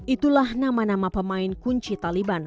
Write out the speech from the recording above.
itulah nama nama pemain kunci taliban